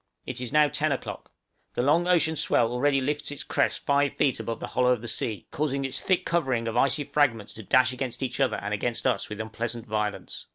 It is now ten o'clock; the long ocean swell already lifts its crest five feet above the hollow of the sea, causing its thick covering, of icy fragments to dash against each other and against us with unpleasant violence.